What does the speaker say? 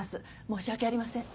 申し訳ありません。